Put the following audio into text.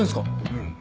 うん。